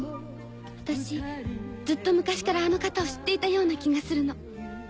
私ずっと昔からあの方を知っていたような気がするの。